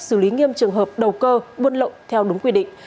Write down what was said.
xử lý nghiêm trường hợp đầu cơ buôn lậu theo đúng quy định